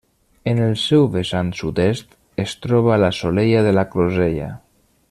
En el seu vessant sud-est es troba la Solella de la Closella.